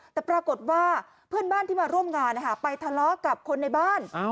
แต่ปรากฏว่าเพื่อนบ้านที่มาร่วมงานไปทะเลาะกับคนในบ้าน